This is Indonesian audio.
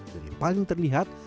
dan yang paling terlihat